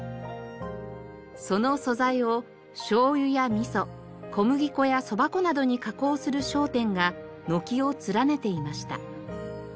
その素材をしょうゆや味噌小麦粉やそば粉などに加工する商店が軒を連ねていました。